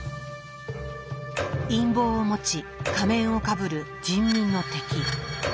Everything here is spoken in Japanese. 「陰謀」を持ち「仮面」をかぶる「人民の敵」。